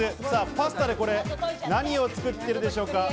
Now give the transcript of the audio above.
パスタでこれ、何を作ってるでしょうか？